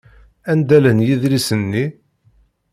Anda llan yidlisen-nni?